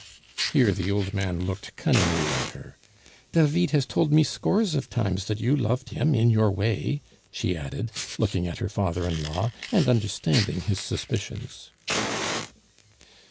(Here the old man looked cunningly at her.) "David has told me scores of times that you loved him in your way," she added, looking at her father in law, and understanding his suspicions.